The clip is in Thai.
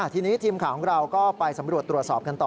ทีนี้ทีมข่าวของเราก็ไปสำรวจตรวจสอบกันต่อ